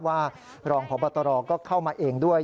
รองพบตรก็เข้ามาเองด้วย